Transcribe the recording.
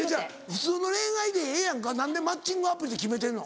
普通の恋愛でええやんか何でマッチングアプリって決めてるの。